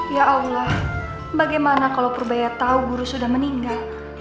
ya allah bagaimana kalau purbaya tahu guru sudah meninggal